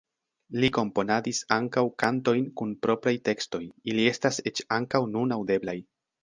Li komponadis ankaŭ kantojn kun propraj tekstoj, ili estas eĉ ankaŭ nun aŭdeblaj.